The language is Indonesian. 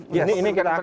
ini ini terus aktif kan